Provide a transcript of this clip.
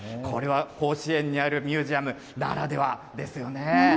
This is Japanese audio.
これは甲子園にあるミュージアムならではですよね。